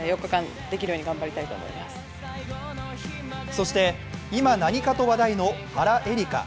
そして、今何かと話題の原英莉花。